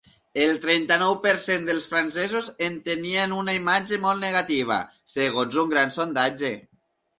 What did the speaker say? El trenta-nou per cent dels francesos en tenien una imatge molt negativa, segons un gran sondatge.